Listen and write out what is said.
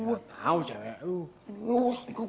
gak tau cewek